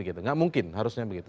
nggak mungkin harusnya begitu